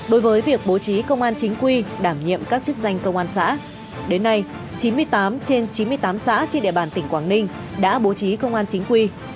đối với việc bố trí công an chính quy đảm nhiệm các chức danh công an xã đến nay chín mươi tám trên chín mươi tám xã trên địa bàn tỉnh quảng ninh đã bố trí công an chính quy